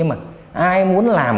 ai muốn làm